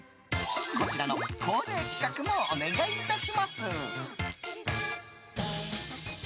こちらの恒例企画もお願いいたします！